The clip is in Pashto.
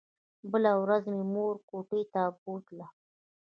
بله ورځ مې مور کوټې ته بوتله.